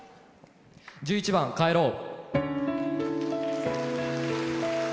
１１番「帰ろう」。